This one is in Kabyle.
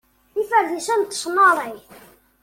Iferdisen n tesnarrayt.